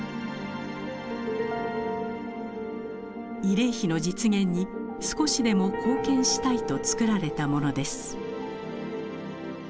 慰霊碑の実現に少しでも貢献したいと作られたものです。